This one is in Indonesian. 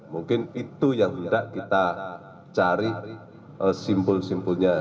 mungkin itu yang tidak kita cari simpul simpulnya